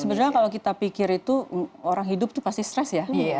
sebenarnya kalau kita pikir itu orang hidup itu pasti stres ya